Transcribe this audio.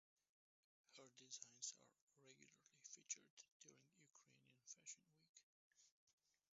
Her designs are regularly featured during Ukrainian Fashion Week.